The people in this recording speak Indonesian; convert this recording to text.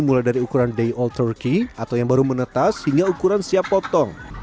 mulai dari ukuran day old turkey atau yang baru menetes hingga ukuran siap potong